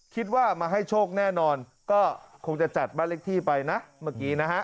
คิดว่ามาให้โชคแน่นอนก็คงจะจัดบ้านเลขที่ไปนะเมื่อกี้นะฮะ